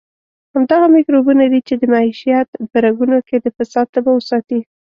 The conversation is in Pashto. همدغه میکروبونه دي چې د معیشت په رګونو کې د فساد تبه وساتي.